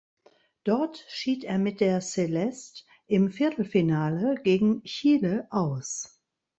Dort schied er mit der Celeste im Viertelfinale gegen Chile aus.